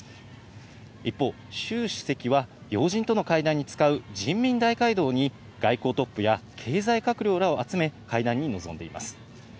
一方、シュウ主席は要人との会談に使う人民大会堂に外交トップや経済閣僚らを集め会談に臨んでいます。